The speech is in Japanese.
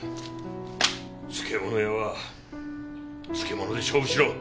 漬物屋は漬物で勝負しろ。